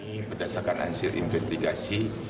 ini berdasarkan hasil investigasi